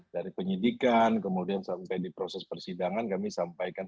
dari penyidikan kemudian sampai di proses persidangan kami sampaikan